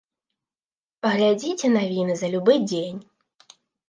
Паглядзіце навіны за любы дзень.